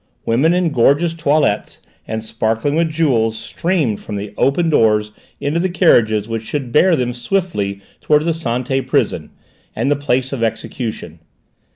Women in gorgeous toilets and sparkling with jewels streamed from the open doors into the carriages which should bear them swiftly towards the Santé prison, and the place of execution.